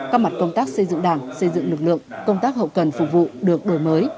các mặt công tác xây dựng đảng xây dựng lực lượng công tác hậu cần phục vụ được đổi mới